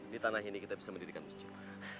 di tanah ini kita bisa mendirikan masjid